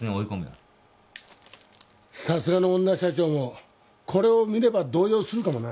さすがの女社長もこれを見れば動揺するかもな。